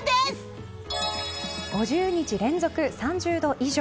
５０日連続、３０度以上。